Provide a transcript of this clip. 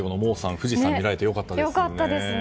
富士山見られてよかったですね。